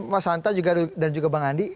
mas hanta dan juga bang andi